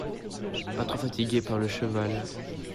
Pas trop fatiguée par le cheval…